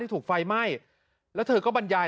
ถูกไฟไหม้แล้วเธอก็บรรยาย